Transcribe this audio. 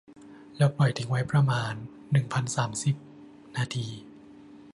แล้วปล่อยทิ้งไว้ประมาณ หนึ่งพันสามสิบ นาที